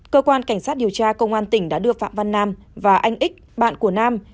cơ quan cảnh sát điều tra công an tỉnh đã đưa phạm văn nam và anh ích bạn của nam